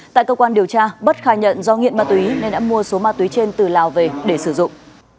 tại cơ quan điều tra bất khai nhận do nghiện ma túy nên đã mua số ma túy trên từ lào về để sử dụng